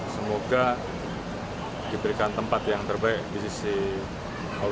semoga diberikan tempat yang terbaik di sisi allah